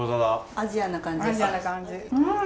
アジアンな感じ。